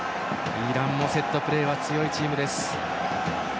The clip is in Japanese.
イランもセットプレーは強いチームです。